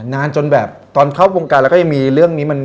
นานจนแบบตอนเข้าวงการแล้วก็ยังมีเรื่องนี้มัน